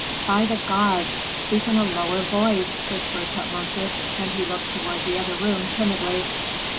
"By the gods! speak in a lower voice," whispered Tutmosis; and he looked toward the other room timidly.